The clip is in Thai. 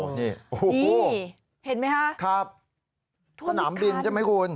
นี่เห็นไหมฮะท่วมมิดคันสนามบินใช่ไหมคุณ